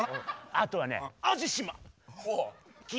あとはね